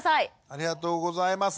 ありがとうございます。